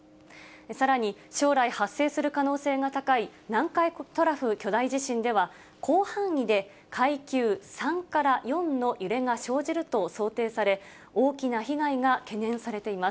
さらに、将来発生する可能性が高い南海トラフ巨大地震では、広範囲で階級３から４の揺れが生じると想定され、大きな被害が懸念されています。